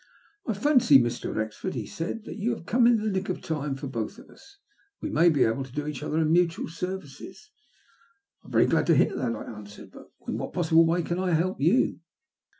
" I fancy, Mr. Wrexford," he said, " that you have come in the nick of time for both of us. We may be able to do each other mutual services." " I am very glad to hear that," I answered. " But in what possible way can I help you